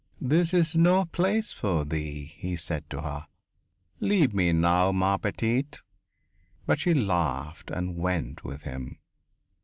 "This is no place for thee," he said to her. "Leave me now, ma petite." But she laughed and went with him.